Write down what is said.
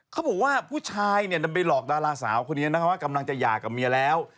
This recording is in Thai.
เขาบอกว่าผู้ชายเนี่ยนำไปหลอกดาราสาวคนนี้นะคะว่ากำลังจะหย่ากับเมียแล้ว